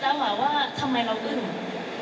แล้วถนาด๒๓วันผ่านไปมารียาก็ยังรู้สึกอึ้งเลยค่ะกับคำถามนี้